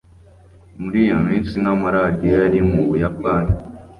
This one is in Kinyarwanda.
Muri iyo minsi nta maradiyo yari mu Buyapani